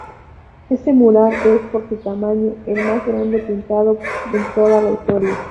Este mural es, por su tamaño, el más grande pintado en toda la historia.